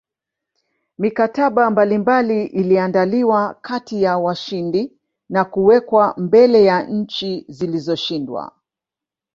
Mikataba mbalimbali iliandaliwa kati ya washindi na kuwekwa mbele ya nchi zilizoshindwa